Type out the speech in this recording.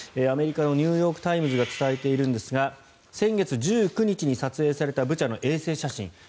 アメリカのニューヨーク・タイムズが伝えているんですが先月１９日に撮影されたブチャの衛星写真。